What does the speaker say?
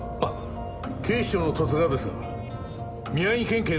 警視庁の十津川ですが宮城県警の木村さんですか？